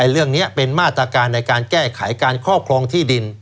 เรื่องนี้เป็นมาตรการในการแก้ไขการครอบครองที่ดิน